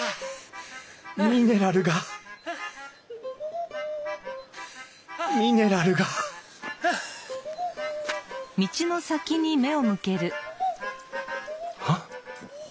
ミネラルがミネラルがあっ！